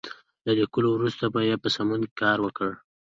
له ليکلو وروسته یې په سمون کار وکړئ.